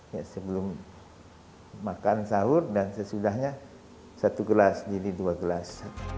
ya sebelum makan sahur dan sesudahnya satu gelas jadi dua gelas